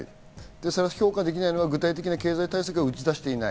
評価できないのは具体的な経済対策を打ち出していない。